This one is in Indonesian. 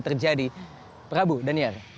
terjadi prabu daniel